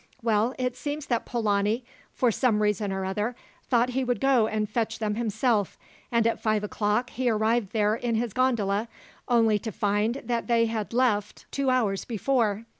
"Well, it seems that Polani, for some reason or other, thought he would go and fetch them himself, and at five o'clock he arrived there in his gondola, only to find that they had left two hours before.